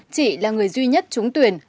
chị là người duy nhất trúng tuyển